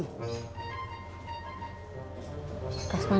mai lu tau kagak apa beh si kasman